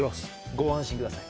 ご安心ください